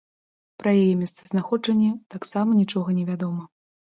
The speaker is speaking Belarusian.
Пра яе месцазнаходжанне таксама нічога не вядома.